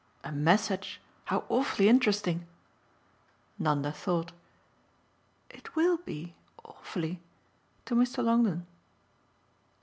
"A message? How awfully interesting!" Nanda thought. "It WILL be awfully to Mr. Longdon."